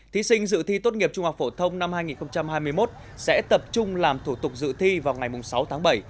thí sinh dự thi tốt nghiệp trung học phổ thông năm hai nghìn hai mươi một sẽ tập trung làm thủ tục dự thi vào ngày sáu tháng bảy